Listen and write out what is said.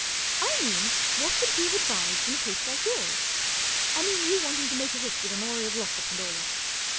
44 I mean what wxmld he have advised in a case like yours ? I mean you wanting to make a hit with Honoria Glossop and all that.